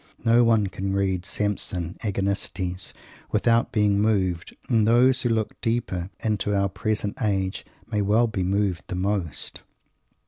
No one can read Samson Agonistes without being moved, and those who look deepest into our present age may well be moved the most!